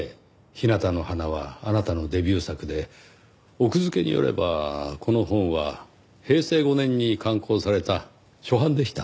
『日なたの花』はあなたのデビュー作で奥付によればこの本は平成５年に刊行された初版でした。